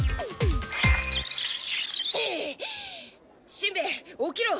しんべヱ起きろ！